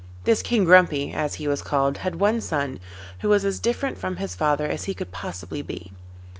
This King Grumpy, as he was called, had one son, who was as different from his father as he could possibly be.